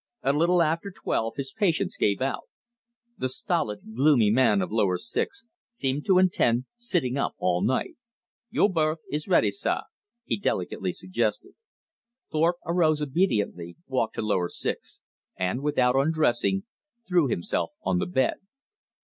A little after twelve his patience gave out. The stolid gloomy man of lower six seemed to intend sitting up all night. "Yo' berth is ready, sah," he delicately suggested. Thorpe arose obediently, walked to lower six, and, without undressing, threw himself on the bed.